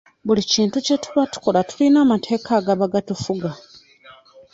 Buli kintu kye tuba tukola tulina amateeka agaba gatufuga.